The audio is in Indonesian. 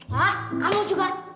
hah kamu juga